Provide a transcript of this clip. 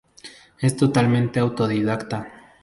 Es totalmente autodidacta.